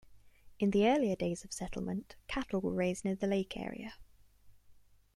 In the earlier days of settlement, cattle were raised near the lake area.